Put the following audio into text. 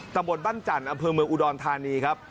ตำบลบ้านจันทร์อำเภอเมืองอุดรธานีครับ